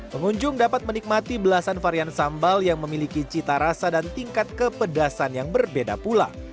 pengunjung dapat menikmati belasan varian sambal yang memiliki cita rasa dan tingkat kepedasan yang berbeda pula